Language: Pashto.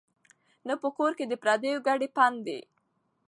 نه په کور کي د پردیو کډي پنډي